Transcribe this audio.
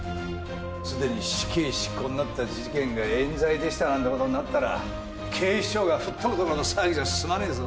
すでに死刑執行になった事件がえん罪でしたなんてことになったら警視庁が吹っ飛ぶどころの騒ぎじゃ済まねえぞ。